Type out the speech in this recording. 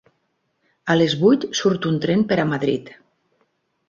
A les vuit surt un tren per a Madrid.